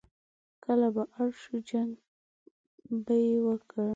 کله به اړ شو، جنګ به یې وکړ.